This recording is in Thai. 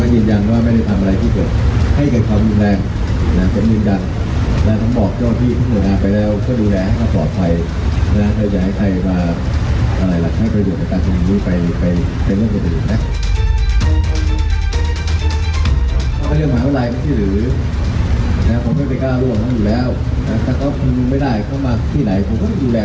สนับสนุนโดยหน้ากากผ้าบลูแบร์ลดไวรัสมากถึง๙๙ใน๒ชั่วโมงปกป้องคุณได้มากกว่า